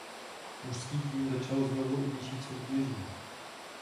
Mužský tým začal znovu od nižších soutěží.